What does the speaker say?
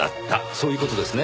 そういう事ですね？